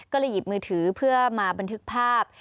ก็เลยหยิบมือถือเพื่อมาบันทึกภาพ